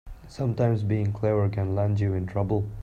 Sometimes being clever can land you in trouble.